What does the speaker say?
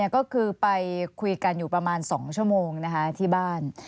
ก็คือไปคุยกันอยู่ประมาณ๒ชั่วโมงที่บ้าน